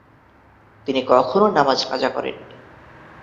তিনি কখনো নামায কাযা করেন নি।